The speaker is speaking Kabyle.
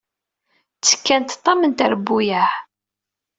Ttekkant ṭam n trebbuyaɛ.